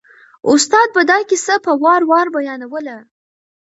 استاد به دا کیسه په وار وار بیانوله.